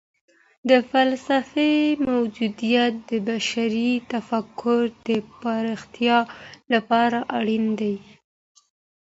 د فلسفې موجودیت د بشري تفکر د پراختیا لپاره اړین دی.